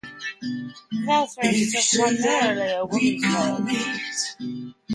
It is still primarily a women's college.